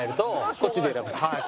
こっちで選ぶって？